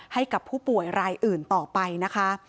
ให้กับผู้ป่วยรายอื่นต่อไปนะคะ